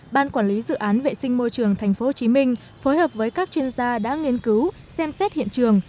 ban quản lý dự án vệ sinh môi trường tp hcm phối hợp với các chuyên gia đã nghiên cứu xem xét hiện trường